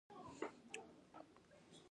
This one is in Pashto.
تعلیم نجونو ته د هڅې او کوشش ارزښت ور زده کوي.